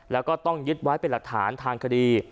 แล้วก็ต้องยึดไว้เป็นหลักฐานทางคดี